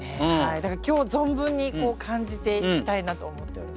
だから今日存分に感じていきたいなと思っております。